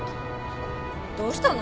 どうしたの？